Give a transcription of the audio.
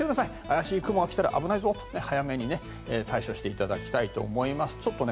怪しい雲が来たら危ないぞと早めに対処していただきたいと思います。